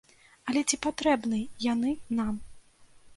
Але ці патрэбны яны нам?